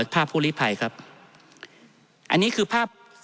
ท่านประธานครับนี่คือสิ่งที่สุดท้ายของท่านครับ